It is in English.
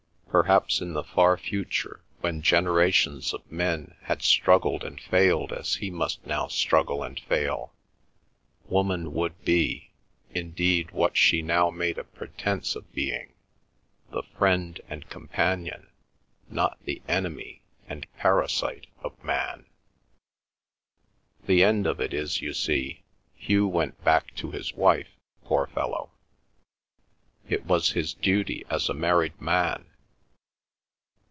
Perhaps, in the far future, when generations of men had struggled and failed as he must now struggle and fail, woman would be, indeed, what she now made a pretence of being—the friend and companion—not the enemy and parasite of man.' "The end of it is, you see, Hugh went back to his wife, poor fellow. It was his duty, as a married man.